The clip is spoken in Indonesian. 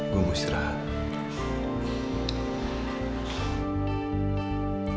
gue mau istirahat